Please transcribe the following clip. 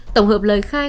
tổng hợp lời khai